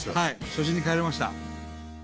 初心に帰れました。